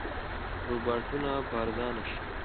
روباټونه به ارزانه شي.